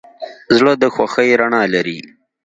زړه د خوښۍ رڼا لري.